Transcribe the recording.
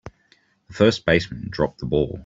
The first baseman dropped the ball.